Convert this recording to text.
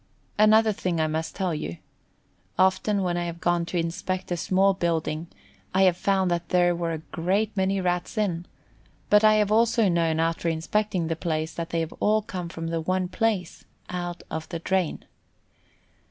Another thing I must tell you. Often when I have gone to inspect a small building I have found that there were a great many Rats in, but I have also known, after inspecting the place, that they have all come from the one place, out of the drain.